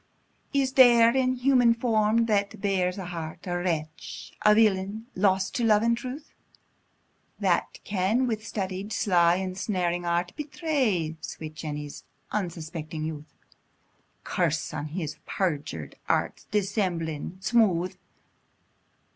Is there, in human form, that bears a heart, A wretch! a villain! lost to love and truth! That can, with studied, sly, ensnaring art, Betray sweet Jenny's unsuspecting youth? Curse on his perjur'd arts! dissembling smooth!